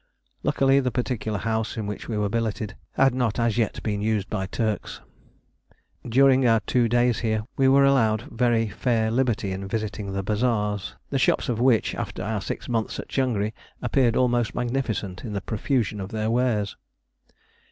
Luckily the particular house in which we were billeted had not as yet been used by Turks. During our two days here, we were allowed very fair liberty in visiting the bazaars, the shops of which, after our six months at Changri, appeared almost magnificent in the profusion of their wares.